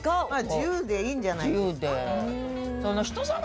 自由でいいんじゃないですか。